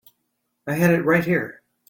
I had that right here.